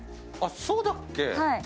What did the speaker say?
あっそうだっけ？